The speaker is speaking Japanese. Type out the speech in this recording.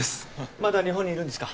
まだ日本にいるんですか？